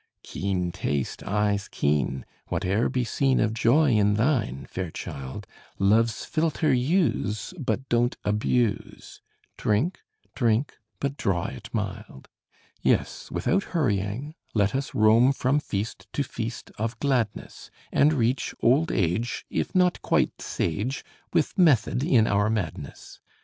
Keen taste, eyes keen whate'er be seen Of joy in thine, fair child, Love's philtre use, but don't abuse: Drink, drink but draw it mild! Yes, without hurrying, let us roam From feast to feast of gladness; And reach old age, if not quite sage, With method in our madness!